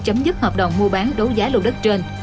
chấm dứt hợp đồng mua bán đấu giá lô đất trên